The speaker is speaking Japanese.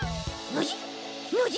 ノジ？